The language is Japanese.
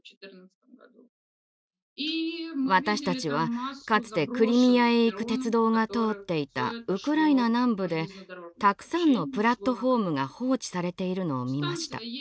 私たちはかつてクリミアへ行く鉄道が通っていたウクライナ南部でたくさんのプラットホームが放置されているのを見ました。